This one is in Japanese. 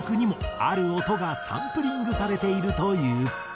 ある音がサンプリングされていると言う。